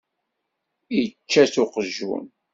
Ičča-tt uqjun.